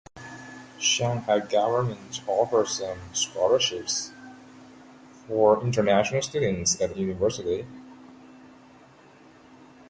Shanghai government offers some scholarships for international students at the university.